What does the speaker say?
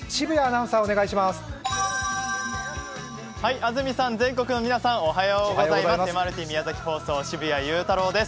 安住さん、全国の皆さんおはようございます。